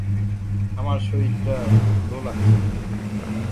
আমার শরীরটা ভুলো লাগছে না।